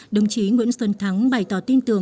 đồng chí nguyễn xuân thắng bày tỏ tin tưởng